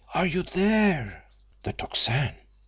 Are you there?" The Tocsin!